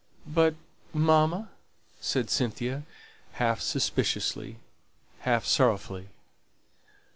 "But mamma?" said Cynthia, half suspiciously, half sorrowfully.